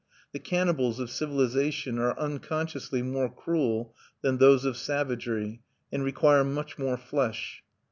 The cannibals of civilization are unconsciously more cruel than those of savagery, and require much more flesh.